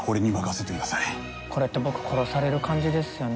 これって、僕殺される感じですよね。